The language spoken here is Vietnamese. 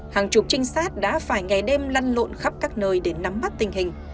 hàng chục trinh sát đã phải ngày đêm lăn lộn khắp các nơi để nắm bắt tình hình